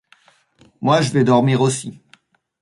Moi, je vais dormir aussi.